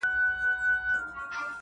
o و خوره هم خوړل دي، ونغره هم خوړل دي٫